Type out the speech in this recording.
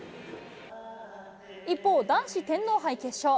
一方、男子天皇杯決勝。